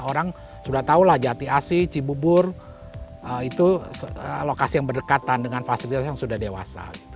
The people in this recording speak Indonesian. orang sudah tahulah jati asi cibubur itu lokasi yang berdekatan dengan fasilitas yang sudah dewasa gitu